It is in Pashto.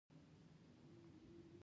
ساسانیان له لویدیځ څخه